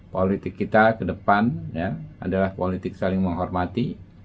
politik kita ke depan adalah politik saling menghormati